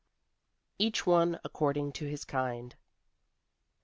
EACH ONE ACCORDING TO HIS KIND.